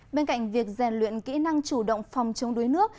bên cạnh việc rèn luyện kỹ năng chủ động phòng chống đuối nước